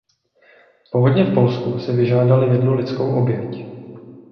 Povodně v Polsku si vyžádaly jednu lidskou oběť.